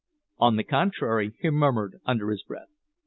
"On the contrary," he murmured under his breath.